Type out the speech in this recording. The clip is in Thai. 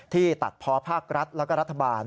ที่ตัดพอภาครัฐแล้วก็รัฐบาล